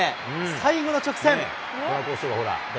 最後の直線。